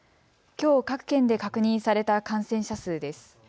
きょう各県で確認された感染者数です。